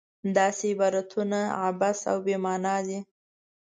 داسې عبارتونه عبث او بې معنا دي.